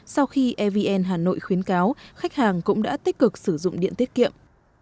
sau khi evn hà nội khuyến cáo khách hàng cũng đã tích cực sử dụng điện tiết kiệm